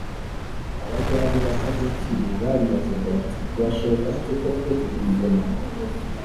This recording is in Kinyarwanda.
abagande ba kavukire baribazaga bati byashoboka bite ko fred rwigema,